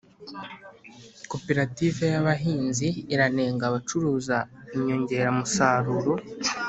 Cooperative yabahinzi iranenga abacuruza inyongeramusaruro